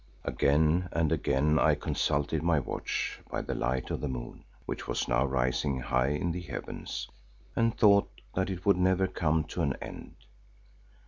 Again and again I consulted my watch by the light of the moon, which was now rising high in the heavens, and thought that it would never come to an end.